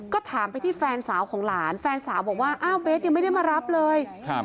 ก็ถามไปที่แฟนสาวของหลานแฟนสาวบอกว่าอ้าวเบสยังไม่ได้มารับเลยครับ